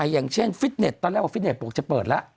อย่างเช่นฟิตเน็ตตอนแรกว่าฟิตเน็ตบอกจะเปิดแล้ว